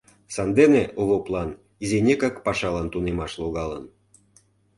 Сандене Овоплан изинекак пашалан тунемаш логалын.